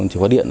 chìa khóa điện